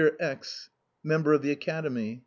X , Member of the Academy.